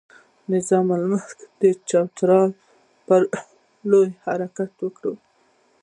نظام الملک د چترال پر لور حرکت وکړ.